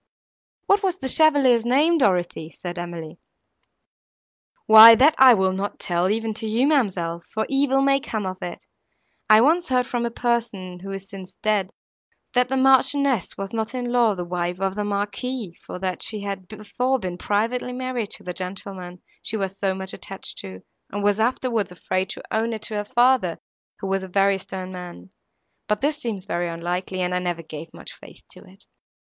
"What was the chevalier's name, Dorothée?" said Emily. "Why that I will not tell even to you, ma'amselle, for evil may come of it. I once heard from a person, who is since dead, that the Marchioness was not in law the wife of the Marquis, for that she had before been privately married to the gentleman she was so much attached to, and was afterwards afraid to own it to her father, who was a very stern man; but this seems very unlikely, and I never gave much faith to it.